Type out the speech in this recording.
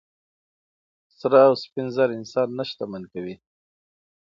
سره او سپین زر انسان نه شتمن کوي.